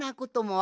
あ！